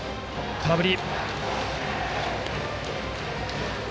空振り！